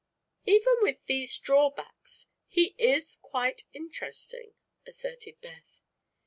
"Even with these drawbacks he is quite interesting," asserted Beth.